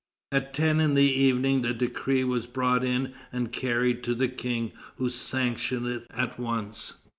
At ten in the evening the decree was brought in and carried to the King, who sanctioned it at once.